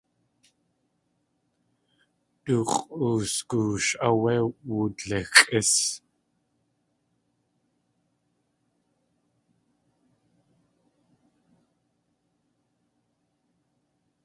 Du x̲ʼusgoosh áwé wudlixʼís.